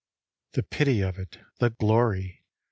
The pity of it, the glory!